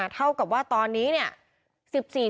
เท่ากับว่าตอนนี้เนี่ย